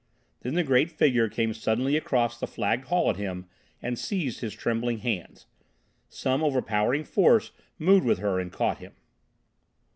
Then the great figure came suddenly across the flagged hall at him and seized his trembling hands. Some overpowering force moved with her and caught him.